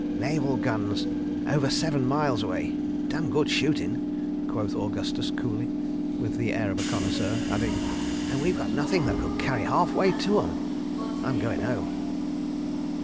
"Naval guns: over seven miles away: dam' good shootin'," quoth Augustus coolly, and with the air of a connoisseur, adding, "and we've got nothing that could carry half way to 'em. I'm goin' 'ome.